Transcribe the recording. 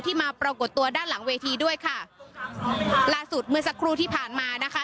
มาปรากฏตัวด้านหลังเวทีด้วยค่ะล่าสุดเมื่อสักครู่ที่ผ่านมานะคะ